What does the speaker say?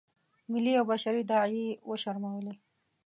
ملي او بشري داعیې یې وشرمولې.